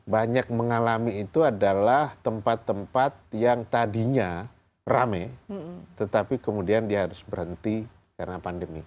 banyak mengalami itu adalah tempat tempat yang tadinya rame tetapi kemudian dia harus berhenti karena pandemi